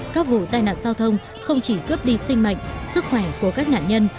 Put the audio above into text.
các vụ tai nạn giao thông không chỉ cướp đi sinh mệnh sức khỏe của các nạn nhân